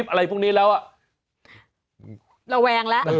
เพราะฉะนั้นเอามาฝากเตือนกันนะครับคุณผู้ชม